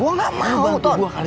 gue gak mau ton